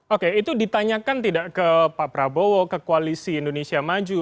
oke itu ditanyakan tidak ke pak prabowo ke koalisi indonesia maju